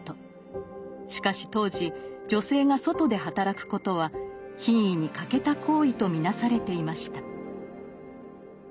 しかし当時女性が外で働くことは品位に欠けた行為と見なされていました。